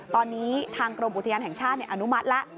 ตอนนี้ทางกรมอุทยานแห่งชาติอนุมัติแล้ว